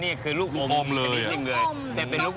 นี่ควรกินเริ่มเลย